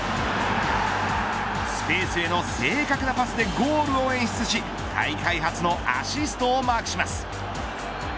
スペースへの正確なパスでゴールを演出し大会初のアシストをマークします。